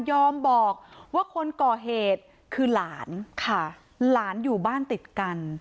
บอกว่าคนก่อเหตุคือหลานค่ะหลานอยู่บ้านติดกัน